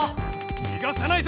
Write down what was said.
にがさないぞ！